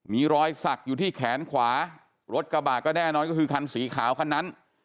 มีรอยสักอยู่ที่แขนขวารถกระบะก็แน่นอนก็คือคันสีขาวคันนั้น